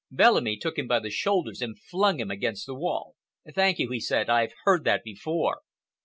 Bellamy took him by the shoulders and flung him against the wall. "Thank you," he said, "I've heard that before."